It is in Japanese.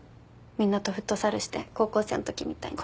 みんなとフットサルして高校生のときみたいに。